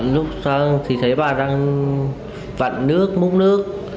lúc xong thì thấy bà đang vặn nước múc nước